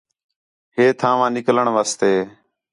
ہے تھان٘ہوا نِکلݨ واسطے